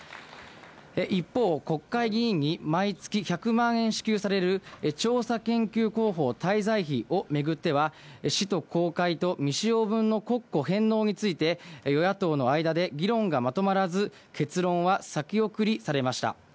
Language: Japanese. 一方、国会議員に毎月１００万円支給される、調査研究広報滞在費をめぐっては、使途公開と未使用分の国庫返納について与野党の間で議論がまとまらず、結論は先送りされました。